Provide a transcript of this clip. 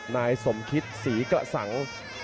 นายสมคิดสีกละสัง